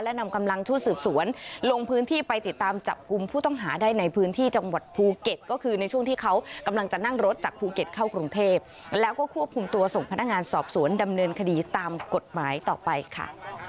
นำกำลังชุดสืบสวนลงพื้นที่ไปติดตามจับกลุ่มผู้ต้องหาได้ในพื้นที่จังหวัดภูเก็ตก็คือในช่วงที่เขากำลังจะนั่งรถจากภูเก็ตเข้ากรุงเทพแล้วก็ควบคุมตัวส่งพนักงานสอบสวนดำเนินคดีตามกฎหมายต่อไปค่ะ